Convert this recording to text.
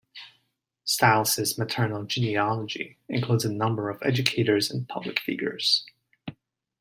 Stiles's maternal genealogy includes a number of educators and public figures.